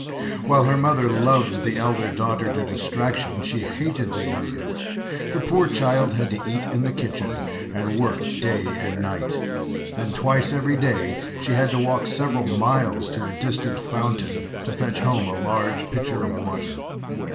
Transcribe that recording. While her mother loved the elder daughter to distraction, she hated the younger. The poor child had to eat in the kitchen, and work day and night. And twice every day she had to walk several miles to a distant fountain to fetch home a large pitcher of water.